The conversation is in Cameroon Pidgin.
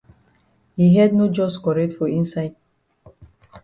Yi head no jus correct for inside.